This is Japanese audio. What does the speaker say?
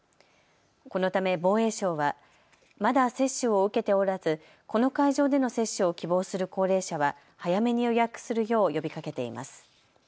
このため防衛省はまだ接種を受けておらずこの会場での接種を希望する高齢者は早めに予約するよう呼びかけています。